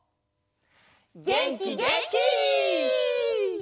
げんきげんき！